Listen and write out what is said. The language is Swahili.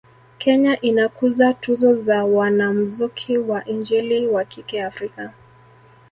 Kenya inakuza tuzo za wanamzuki wa injili wa kike Afika